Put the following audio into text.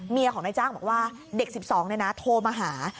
เมียของนายจ้างบอกว่าเด็ก๑๒โทรมาหา